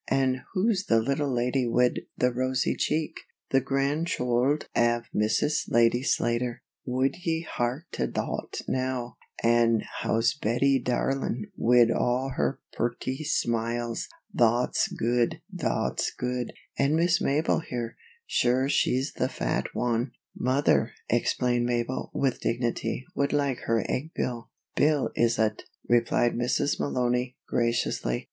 An' who's the little lady wid the rosy cheek? The gran'choild av Mrs. Lady Slater wud ye hark to thot now! An' how's Bettie darlin' wid all her purty smiles? Thot's good thot's good. An' Miss Mabel here sure she's the fat wan " "Mother," explained Mabel, with dignity, "would like her egg bill." "Bill, is ut?" replied Mrs. Malony, graciously.